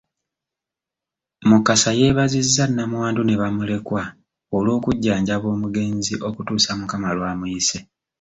Mukasa yeebazizza nnamwandu ne bamulekwa olw'okujjanjaba omugenzi okutuusa Mukama lw’amuyise.